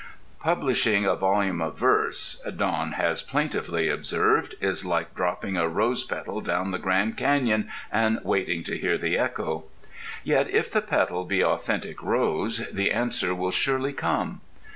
"Publishing a volume of verse," Don has plaintively observed, "is like dropping a rose petal down the Grand Canyon and waiting to hear the echo." Yet if the petal be authentic rose, the answer will surely come.